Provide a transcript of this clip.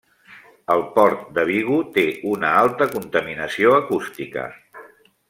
El port de Vigo té una alta contaminació acústica.